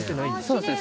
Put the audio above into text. そうですね。